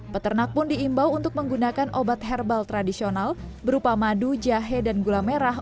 peternak pun diimbau untuk menggunakan obat herbal tradisional berupa madu jahe dan gula merah